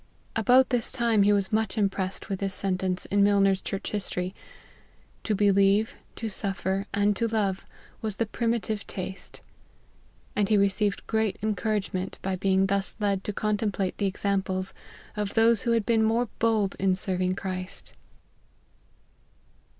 About this time he was much im pressed with this sentence in Milner's Church His tory ; "to believe, to suffer, and to love, was the primitive taste ;" and he received great encourage ment by being thus led to contemplate the examples of those who had been more bold in serving Christ.